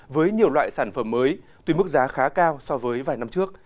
với nhiều loại sản phẩm mới tuy mức giá khá cao so với vài năm trước